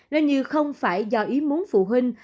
nó như không phải do ý muốn phụ huynh